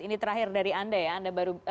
ini terakhir dari anda ya